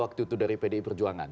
waktu itu dari pdi perjuangan